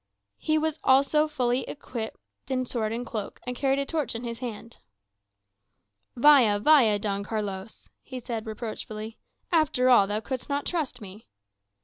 He also was fully equipped in sword and cloak, and carried a torch in his hand. "Vaya, vaya, Don Carlos," he said reproachfully; "after all, thou couldst not trust me."